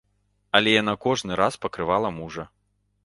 Але яна кожны раз пакрывала мужа.